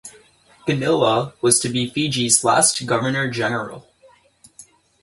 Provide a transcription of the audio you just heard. Ganilau was to be Fiji's last governor-general.